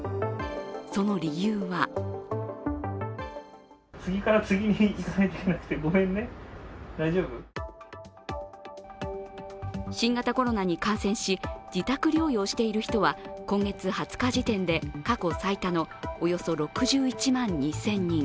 その理由は新型コロナに感染し自宅療養している人は今月２０日時点で過去最多のおよそ６１万２０００人。